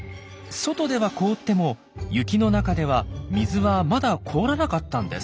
外では凍っても雪の中では水はまだ凍らなかったんです。